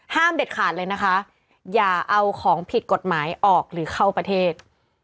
เด็ดขาดเลยนะคะอย่าเอาของผิดกฎหมายออกหรือเข้าประเทศ